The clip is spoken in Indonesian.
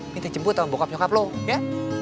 pintu jemput sama bokap nyokap lo ya